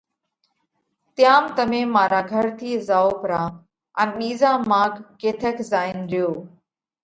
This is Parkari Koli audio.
تيام تمي مارا گھر ٿِي زائو پرا، ان ٻِيزا ماڳ ڪٿيڪ زائينَ ريو۔